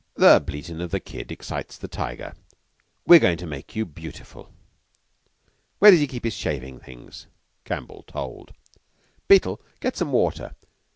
"'The bleatin' of the kid excites the tiger.' We're goin' to make you beautiful. Where does he keep his shaving things? [Campbell told.] Beetle, get some water.